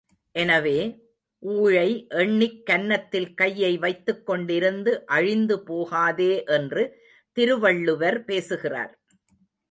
எனவே, ஊழை எண்ணிக் கன்னத்தில் கையை வைத்துக் கொண்டிருந்து அழிந்து போகாதே என்று திருவள்ளுவர் பேசுகிறார்.